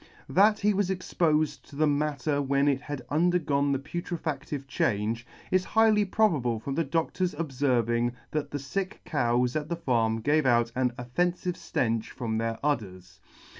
That he was expofed to the matter when it had under gone the pufrefacftive change, is highly probable from the Doctor's obferving' that the fick cows at the farm gave out an ojfewfive Jtench from their udders.